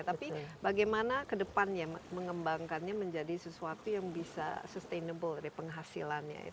tapi bagaimana ke depannya mengembangkannya menjadi sesuatu yang bisa sustainable dari penghasilannya